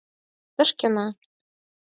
Тошкена